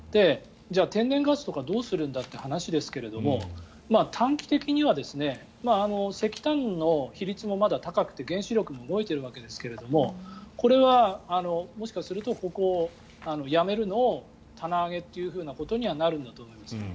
じゃあ、天然ガスとかどうするんだという話ですが短期的には石炭の比率もまだ高くて原子力も動いているわけですけどこれはもしかするとここをやめるのを棚上げということにはなるんだと思います。